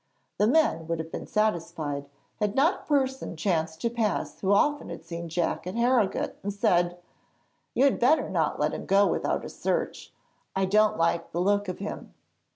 The men would have been satisfied had not a person chanced to pass who had often seen Jack at Harrogate, and said: 'You had better not let him go without a search; I don't like the look of him.'